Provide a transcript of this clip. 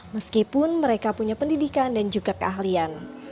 meskipun mereka punya pendidikan dan juga keahlian